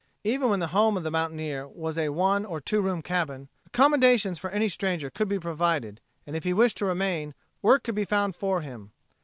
Even when the home of the mountaineer was a one or two room cabin, accommodations for any stranger could be provided, and if he wished to remain, work could be found for him.